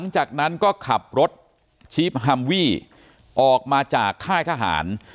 จากนั้นก็ขับรถชีพฮัมวี่ออกมาจากค่ายทหาร